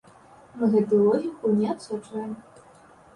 Мы гэтую логіку не адсочваем.